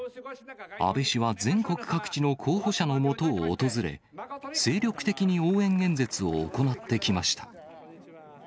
安倍氏は全国各地の候補者のもとを訪れ、精力的に応援演説を行ってきました。